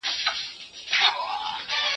زه به د هنرونو تمرين کړی وي،